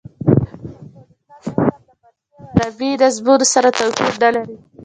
پښتو لیکلی نظم له فارسي او عربي نظمونو سره توپیر نه لري.